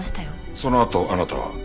そのあとあなたは？